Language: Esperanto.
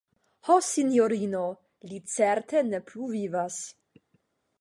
Ho, sinjorino, li certe ne plu vivas.